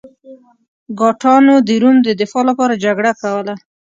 ګاټانو د روم د دفاع لپاره جګړه کوله.